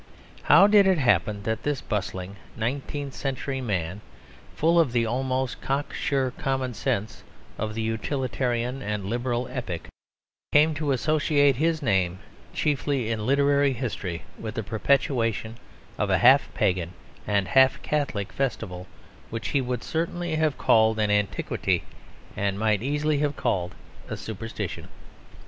How did it happen that this bustling, nineteenth century man, full of the almost cock sure common sense of the utilitarian and liberal epoch, came to associate his name chiefly in literary history with the perpetuation of a half pagan and half Catholic festival which he would certainly have called an antiquity and might easily have called a superstition?